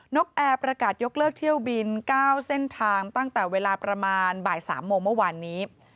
กแอร์ประกาศยกเลิกเที่ยวบิน๙เส้นทางตั้งแต่เวลาประมาณบ่าย๓โมงเมื่อวานนี้